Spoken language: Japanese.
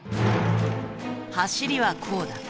走りはこうだ。